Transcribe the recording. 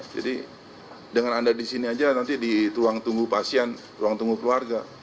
jadi dengan anda di sini saja nanti di ruang tunggu pasien ruang tunggu keluarga